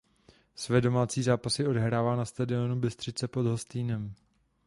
Své domácí zápasy odehrává na stadionu Bystřice pod Hostýnem.